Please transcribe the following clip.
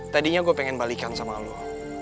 tadinya gue pengen balikan sama lo